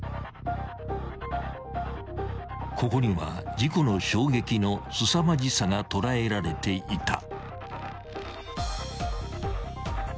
［ここには事故の衝撃のすさまじさが捉えられていた］